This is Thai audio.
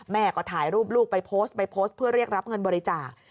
แม่ก็ถ่ายรูปลูกไปโพสต์ไปโพสต์เพื่อเรียกรับเงินบริจาค